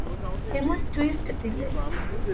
এমন টুইস্ট দিলে।